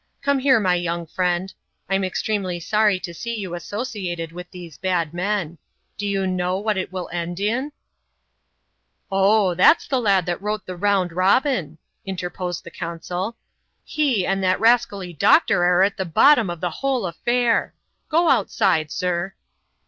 Come here, my young friend : Tm extremely sorry to see you associated with these bad men ; do you know what it will end in ?"Oh, that's the lad that wrote the Round Robin," interposed the ooasuL ^ He and that rascally doctor are at the bottom of the wiiole afiair — go outside, sir."